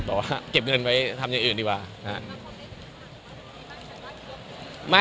แต่ว่าเก็บเงินไว้ทำอย่างอื่นดีกว่าอ่ะ